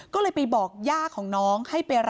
ก็เลยไปบอกย่าของน้อง